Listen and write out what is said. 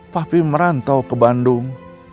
tapi merantau ke bandung